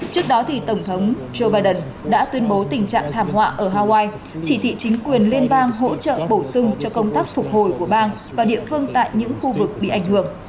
trước đó tổng thống joe biden đã tuyên bố tình trạng thảm họa ở hawaii chỉ thị chính quyền liên bang hỗ trợ bổ sung cho công tác phục hồi của bang và địa phương tại những khu vực bị ảnh hưởng